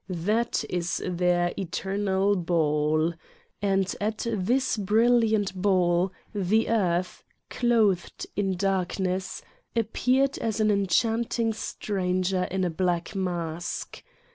That is their eternal ball. And at this brilliant ball the earth, clothed in darkness, appeared as an enchanting stranger in a black mask.